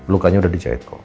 lukanya udah dijahit kok